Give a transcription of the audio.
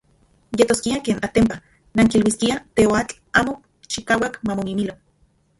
Yetoskia ken, atenpa, nankiluiskiaj teoatl amo chikauak mamomimilo.